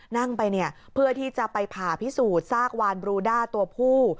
นั่งไปเนี่ยเพื่อที่จะไปผ่าพิสูจน์ซากวานบรูด้าตัวผู้